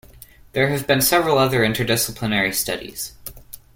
There have been several other interdisciplinary studies.